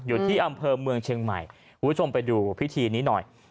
อยู่ที่อำเภอเมืองเชียงใหม่คุณผู้ชมไปดูพิธีนี้หน่อย